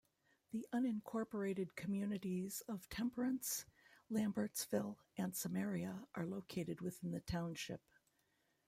The unincorporated communities of Temperance, Lambertville and Samaria are located within the township.